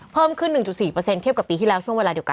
เพิ่มขึ้น๑๔เทียบกับปีที่แล้วช่วงเวลาเดียวกัน